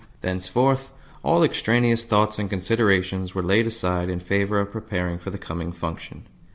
Thenceforth all extraneous thoughts and considerations were laid aside in favour of preparing for the coming function.